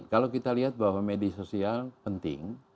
kalau kita lihat bahwa media sosial penting